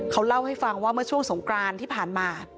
เขาเล่าให้ฟังว่าเมื่อช่วงสงกรานที่ผ่านมา